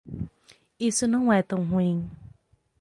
Isso não é tão ruim.